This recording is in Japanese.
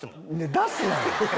出すなよ。